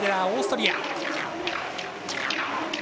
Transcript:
オーストリア。